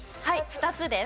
２つです。